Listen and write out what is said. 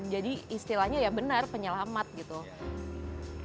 jadi istilahnya ya benar penyelamat gitu